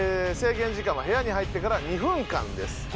制限時間は部屋に入ってから２分間です。